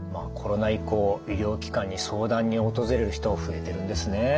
コロナ以降医療機関に相談に訪れる人が増えてるんですね。